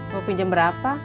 mau pinjam berapa